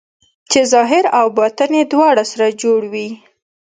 چې ظاهر او باطن یې دواړه سره جوړ وي.